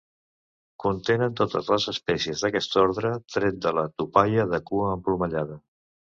Contenen totes les espècies d'aquest ordre tret de la tupaia de cua emplomallada.